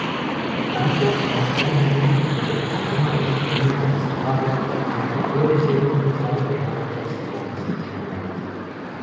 Habita, principalmente, el ecosistema brasileño del Cerrado, aunque puede ser encontrado en hábitats transicionales.